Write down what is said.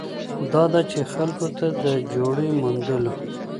دا ده چې خلکو ته د جوړې موندلو